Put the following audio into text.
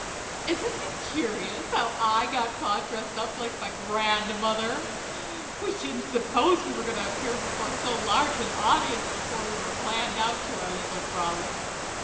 Isn't it curious how I got caught dressed up like my grandmother? We didn't suppose we were going to appear before so large an audience when we planned out our little frolic.